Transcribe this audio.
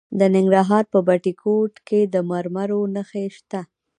د ننګرهار په بټي کوټ کې د مرمرو نښې شته.